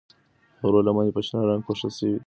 د غرو لمنې په شنه رنګ پوښل شوي دي.